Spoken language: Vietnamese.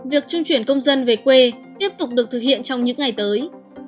việc trung chuyển công dân về quê tiếp tục được thực hiện trong những ngày tới